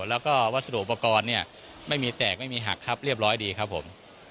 แล้วก็วัสดุอุปกรณ์เนี่ยไม่มีแตกไม่มีหักครับเรียบร้อยดีครับผม